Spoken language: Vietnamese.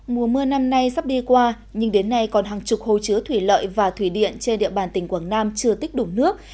mùa mưa năm nay sắp đi qua nhưng đến nay còn hàng chục hồ chứa thủy lợi và thủy điện trên địa bàn tỉnh quảng nam chưa tích đủ nước